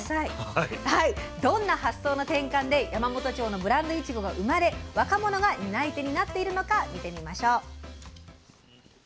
どんな発想の転換で山元町のブランドいちごが生まれ若者が担い手になっているのか見てみましょう。